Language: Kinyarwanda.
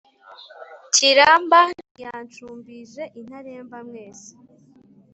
kiramba ntiyashumbije intaremba mwese